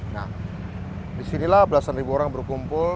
nah disinilah belasan ribu orang berkumpul